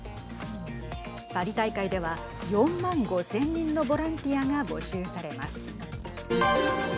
パリ大会では４万５０００人のボランティアが募集されます。